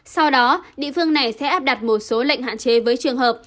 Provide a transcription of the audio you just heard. sau đó địa phương này sẽ áp đặt một số lệnh hạn chế với trường hợp